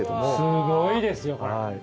すごいですよこれ。